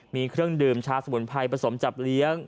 มีเครื่องดื่มชาสมุนไพรผสมจับเลี้ยง